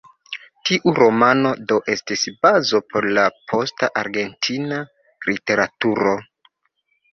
Tiu romano, do, estis bazo por la posta argentina literaturo.